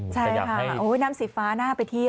ใช่ค่ะน้ำสีฟ้าน่าไปเที่ยว